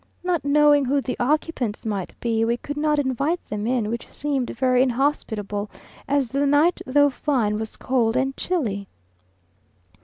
Not knowing who the occupants might be, we could not invite them in, which seemed very inhospitable, as the night, though fine, was cold and chilly.